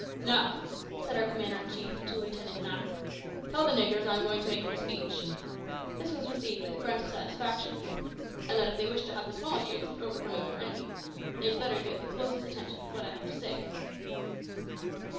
"Now," said our commander in chief to Lieutenant Mak, "tell the niggers I am going to make them a speech," (this was received with a grunt of satisfaction), "and that if they wish to have the smallest chance of overcoming their enemies, they had better give their closest attention to what I have to say."